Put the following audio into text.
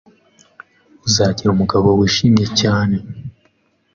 Uzagira umugabo wishimye cyane.